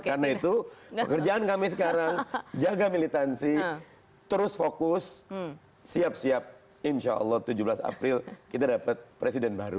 karena itu pekerjaan kami sekarang jaga militansi terus fokus siap siap insya allah tujuh belas april kita dapat presiden baru